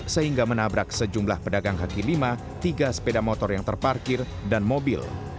sehingga menabrak sejumlah pedagang kaki lima tiga sepeda motor yang terparkir dan mobil